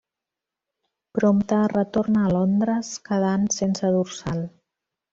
Prompte retorna a Londres, quedant sense dorsal.